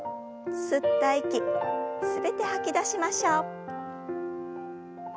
吸った息全て吐き出しましょう。